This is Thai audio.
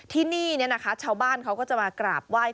ที่นี่นะคะชาวบ้านเขาก็จะมากราบไหว้